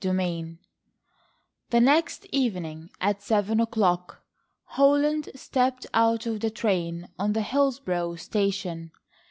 II The next evening at seven o'clock, Holland stepped out of the train on the Hillsborough station.